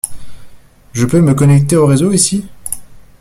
Je peux me connecter au réseau ici ?